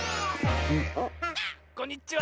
こんにちは！